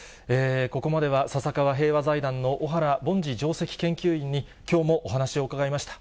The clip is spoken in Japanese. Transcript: ここまでは笹川平和財団の小原凡司上席研究員に、きょうもお話を伺いました。